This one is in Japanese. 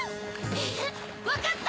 えっわかった！